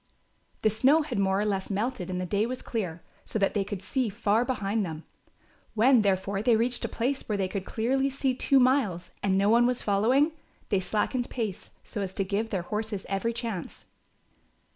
The snow had more or less melted and the day was clear, so that they could see far behind them. When, therefore, they reached a place where they could clearly see two miles and no one following, they slackened pace, so as to give their horses every chance.